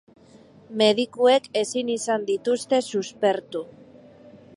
Medikuek ezin izan dituzte suspertu.